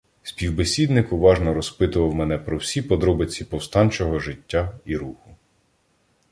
Співбесідник уважно розпитував мене про всі подробиці повстанчого життя і руху.